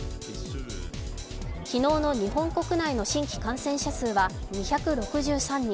昨日の日本国内の新規感染者数は２６３人。